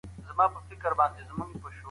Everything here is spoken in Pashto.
سياسي پوهه بايد په ټولنه کي عامه سي.